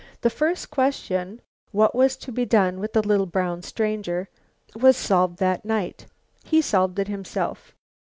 The first question, what was to be done with the little brown stranger, was solved that night. He solved it himself.